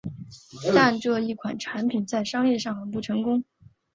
但这一款产品在商业上很不成功。